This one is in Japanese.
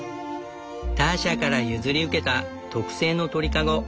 ターシャから譲り受けた特製の鳥籠。